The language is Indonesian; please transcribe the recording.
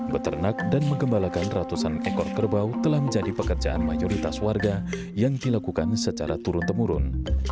beternak dan menggembalakan ratusan ekor kerbau telah menjadi pekerjaan mayoritas warga yang dilakukan secara turun temurun